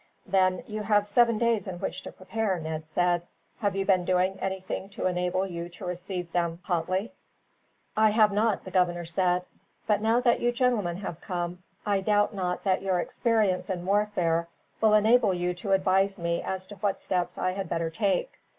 "Then you have seven days in which to prepare," Ned said. "Have you been doing anything to enable you to receive them hotly?" "I have not," the governor said. "But now that you gentlemen have come, I doubt not that your experience in warfare will enable you to advise me as to what steps I had better take.